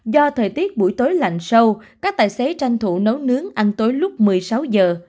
do thời tiết buổi tối lạnh sâu các tài xế tranh thủ nấu nướng ăn tối lúc một mươi sáu giờ